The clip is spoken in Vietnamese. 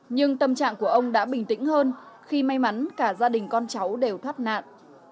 nhưng tâm trạng của ông đã bình tĩnh hơn khi may mắn cả gia đình con cháu đều thoát nạn